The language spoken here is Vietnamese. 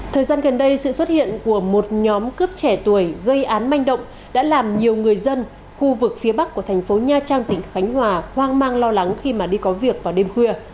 thời gian gần đây sự xuất hiện của một nhóm cướp trẻ tuổi gây án manh động đã làm nhiều người dân khu vực phía bắc của thành phố nha trang tỉnh khánh hòa hoang mang lo lắng khi mà đi có việc vào đêm khuya